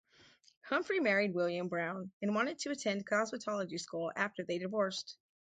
Humphrey married William Brown and wanted to attend cosmetology school after they divorced.